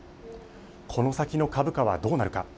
この先の株価はどうなるか。